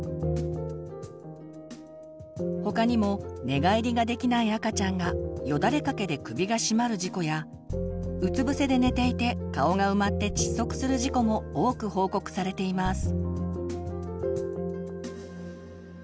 他にも寝返りができない赤ちゃんがよだれかけで首がしまる事故やうつ伏せで寝ていて顔が埋まって窒息する事故も多く報告されています。